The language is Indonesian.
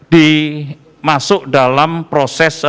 dimasuk dalam proses